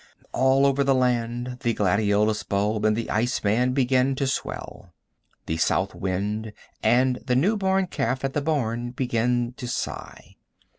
All over the land the gladiolus bulb and the ice man begin to swell. The south wind and the new born calf at the barn begin to sigh.